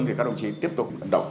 để các đồng chí tiếp tục vận động